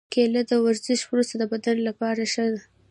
کېله د ورزش وروسته د بدن لپاره ښه ده.